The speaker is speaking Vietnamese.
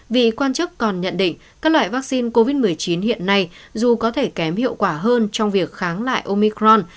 vị quan chức còn nhận định các loại vắc xin covid một mươi chín hiện nay dù có thể kém hiệu quả hơn trong việc kháng lại ômigran